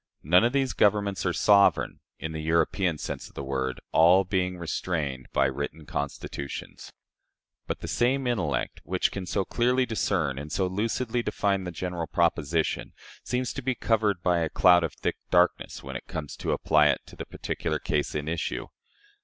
None of these governments are sovereign, in the European sense of the word, all being restrained by written constitutions." But the same intellect, which can so clearly discern and so lucidly define the general proposition, seems to be covered by a cloud of thick darkness when it comes to apply it to the particular case in issue.